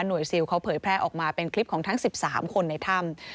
ซิลเขาเผยแพร่ออกมาเป็นคลิปของทั้ง๑๓คนในถ้ำ